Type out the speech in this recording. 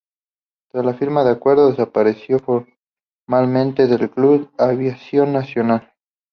Tras la firma del acuerdo, desapareció formalmente el Club Aviación Nacional.